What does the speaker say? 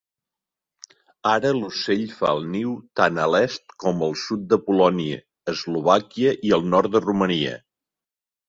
Ara l'ocell fa el niu tan a l'est com el sud de Polònia, Eslovàquia i el nord de Romania.